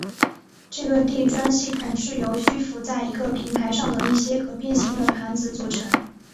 这个地砖系统是由虚浮在一个平台上的一些可变型的盘子组成。